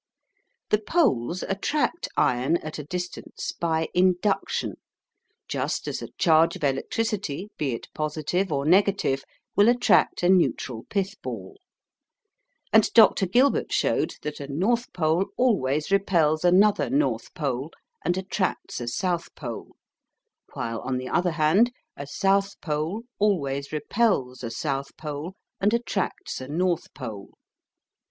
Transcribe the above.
The poles attract iron at a distance by "induction," just as a charge of electricity, be it positive or negative, will attract a neutral pith ball; and Dr. Gilbert showed that a north pole always repels another north pole and attracts a south pole, while, on the other hand, a south pole always repels a south pole and attracts a north pole.